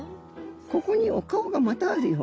ここにお顔がまたあるよ。